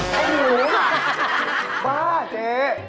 หรือไอ้หนูหรือหมักบ้าเจ๊